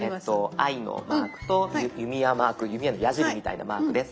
ｉのマークと弓矢マーク弓矢の矢じりみたいなマークです。